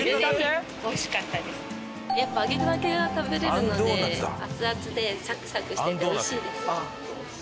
やっぱ揚げたてが食べられるのでアツアツでサクサクしていて美味しいです。